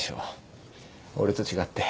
俺と違って。